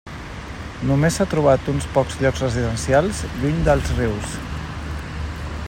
Només s'ha trobat uns pocs llocs residencials lluny dels rius.